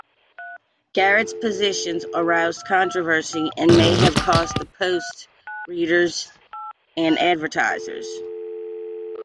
Garrett's positions aroused controversy and may have cost the "Post" readers and advertisers.